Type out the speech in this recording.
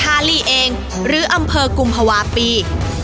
ฮาลี่เองหรืออำเภอกุมภาวะปี